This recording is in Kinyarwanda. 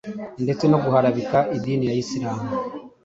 ndetse no guharabika idini ya Islam